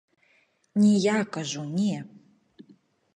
Не я, кажу, не.